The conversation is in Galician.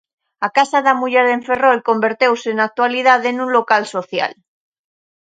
A Casa da Muller en Ferrol converteuse na actualidade nun local social.